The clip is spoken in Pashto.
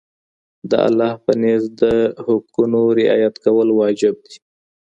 د الله په نزد د حقونو رعایت کول واجب دي.